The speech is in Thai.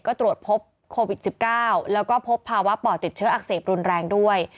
ก็ตรวจพบโควิด๑๙แล้วก็พบภาวะปอดติดเชื้ออักเสบรุนแรงด้วย